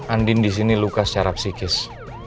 andin di sini luka secara psikis